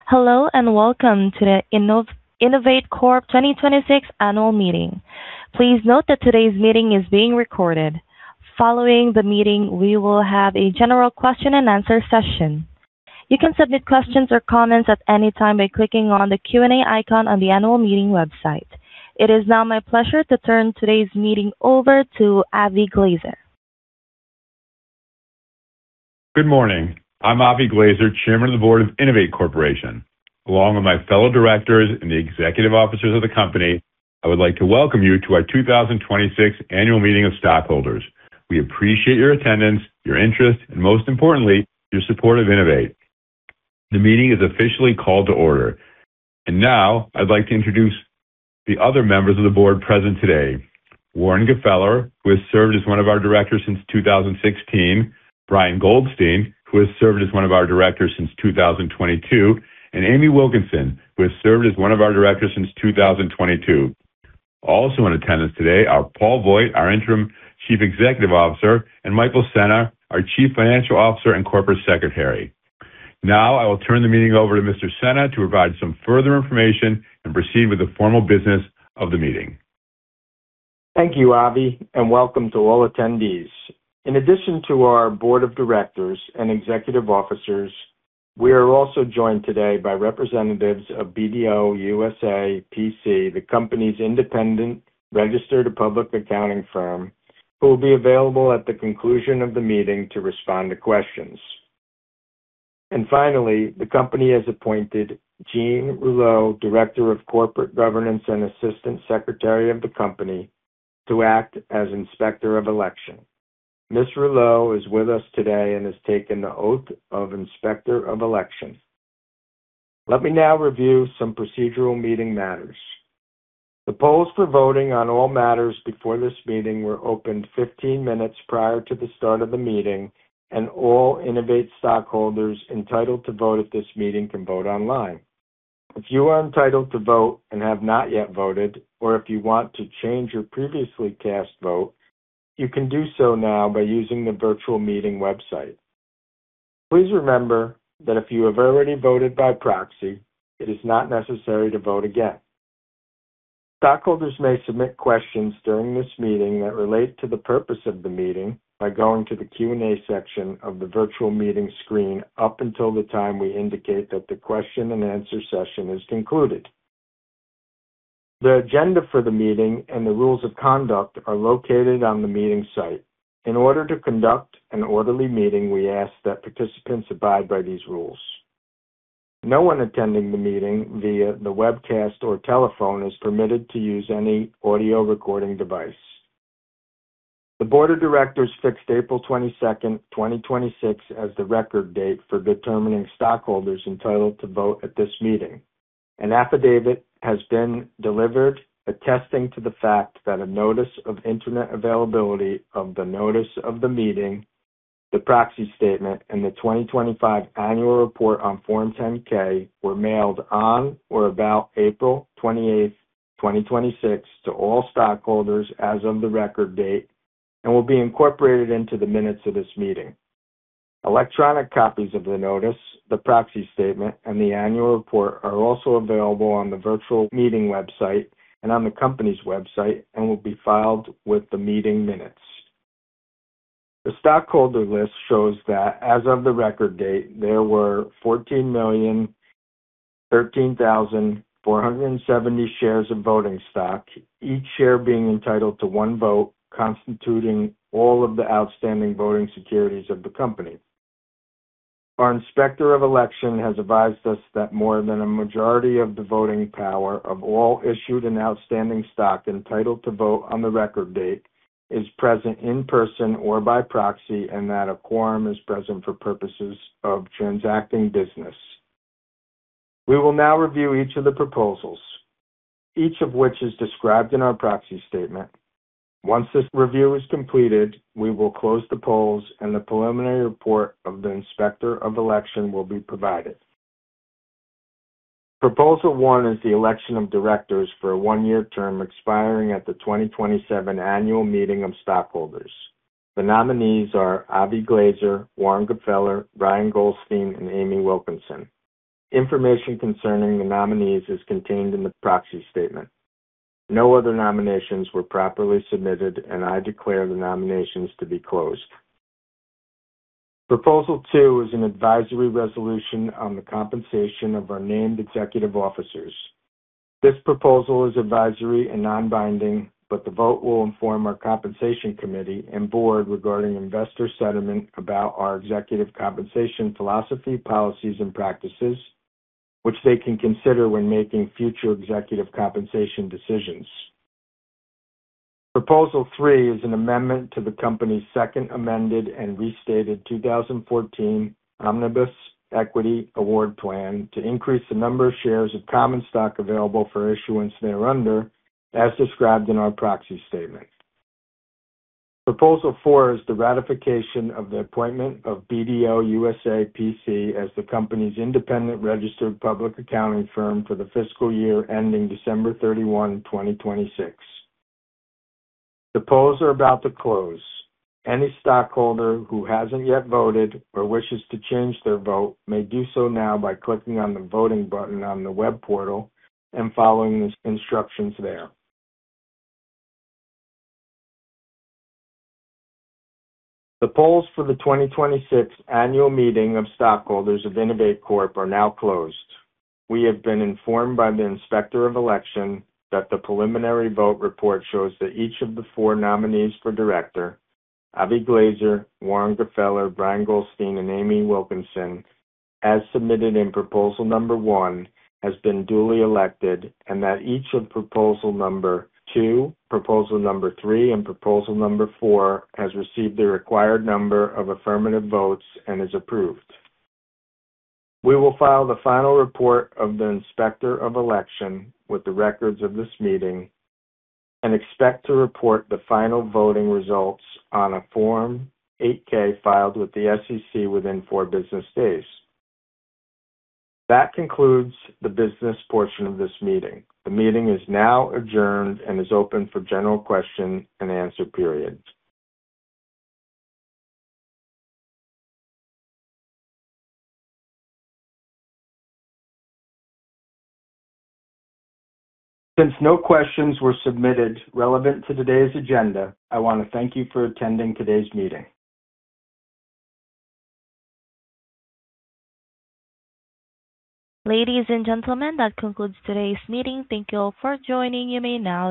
Hello and welcome to the INNOVATE Corp. 2026 annual meeting. Please note that today's meeting is being recorded. Following the meeting, we will have a general question and answer session. You can submit questions or comments at any time by clicking on the Q&A icon on the annual meeting website. It is now my pleasure to turn today's meeting over to Avi Glazer. Good morning. I'm Avi Glazer, Chairman of the Board of INNOVATE Corporation. Along with my fellow directors and the executive officers of the company, I would like to welcome you to our 2026 annual meeting of stockholders. We appreciate your attendance, your interest, and most importantly, your support of INNOVATE. The meeting is officially called to order. Now I'd like to introduce the other members of the board present today. Warren Gfeller, who has served as one of our directors since 2016, Brian Goldstein, who has served as one of our directors since 2022, and Amy Wilkinson, who has served as one of our directors since 2022. Also in attendance today are Paul Voigt, our Interim Chief Executive Officer, and Michael Sena, our Chief Financial Officer and Corporate Secretary. I will turn the meeting over to Mr. Sena to provide some further information and proceed with the formal business of the meeting. Thank you, Avi, welcome to all attendees. In addition to our board of directors and executive officers, we are also joined today by representatives of BDO USA, P.C., the company's independent registered public accounting firm, who will be available at the conclusion of the meeting to respond to questions. Finally, the company has appointed Jeanne Rouleau, Director of Corporate Governance and Assistant Secretary of the company, to act as Inspector of Election. Ms. Rouleau is with us today and has taken the oath of Inspector of Election. Let me now review some procedural meeting matters. The polls for voting on all matters before this meeting were opened 15 minutes prior to the start of the meeting, and all INNOVATE stockholders entitled to vote at this meeting can vote online. If you are entitled to vote and have not yet voted, or if you want to change your previously cast vote, you can do so now by using the virtual meeting website. Please remember that if you have already voted by proxy, it is not necessary to vote again. Stockholders may submit questions during this meeting that relate to the purpose of the meeting by going to the Q&A section of the virtual meeting screen up until the time we indicate that the question and answer session is concluded. The agenda for the meeting and the rules of conduct are located on the meeting site. In order to conduct an orderly meeting, we ask that participants abide by these rules. No one attending the meeting via the webcast or telephone is permitted to use any audio recording device. The board of directors fixed April 22nd, 2026, as the record date for determining stockholders entitled to vote at this meeting. An affidavit has been delivered attesting to the fact that a notice of internet availability of the notice of the meeting, the proxy statement, and the 2025 annual report on Form 10-K were mailed on or about April 28th, 2026, to all stockholders as of the record date and will be incorporated into the minutes of this meeting. Electronic copies of the notice, the proxy statement, and the annual report are also available on the virtual meeting website and on the company's website and will be filed with the meeting minutes. The stockholder list shows that as of the record date, there were 14,013,470 shares of voting stock, each share being entitled to one vote, constituting all of the outstanding voting securities of the company. Our inspector of election has advised us that more than a majority of the voting power of all issued and outstanding stock entitled to vote on the record date is present in person or by proxy, and that a quorum is present for purposes of transacting business. We will now review each of the proposals, each of which is described in our proxy statement. Once this review is completed, we will close the polls, and the preliminary report of the inspector of election will be provided. Proposal one is the election of directors for a one-year term expiring at the 2027 annual meeting of stockholders. The nominees are Avi Glazer, Warren Gfeller, Brian Goldstein, and Amy Wilkinson. Information concerning the nominees is contained in the proxy statement. No other nominations were properly submitted, and I declare the nominations to be closed. Proposal two is an advisory resolution on the compensation of our named executive officers. This proposal is advisory and non-binding, but the vote will inform our compensation committee and board regarding investor sentiment about our executive compensation philosophy, policies, and practices, which they can consider when making future executive compensation decisions. Proposal three is an amendment to the company's Second Amended and Restated 2014 Omnibus Equity Award Plan to increase the number of shares of common stock available for issuance thereunder as described in our proxy statement. Proposal four is the ratification of the appointment of BDO USA, P.C. as the company's independent registered public accounting firm for the fiscal year ending December 31, 2026. The polls are about to close. Any stockholder who hasn't yet voted or wishes to change their vote may do so now by clicking on the voting button on the web portal and following the instructions there. The polls for the 2026 annual meeting of stockholders of INNOVATE Corp. are now closed. We have been informed by the inspector of election that the preliminary vote report shows that each of the four nominees for director, Avi Glazer, Warren Gfeller, Brian Goldstein, and Amy Wilkinson, as submitted in proposal number one, has been duly elected and that each of proposal number two, proposal number three, and proposal number four has received the required number of affirmative votes and is approved. We will file the final report of the inspector of election with the records of this meeting and expect to report the final voting results on a Form 8-K filed with the SEC within four business days. That concludes the business portion of this meeting. The meeting is now adjourned and is open for general question and answer period. Since no questions were submitted relevant to today's agenda, I want to thank you for attending today's meeting. Ladies and gentlemen, that concludes today's meeting. Thank you all for joining. You may now disconnect